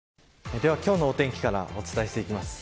では今日のお天気からお伝えします。